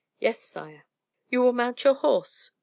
"Yes, sire." "You will mount your horse."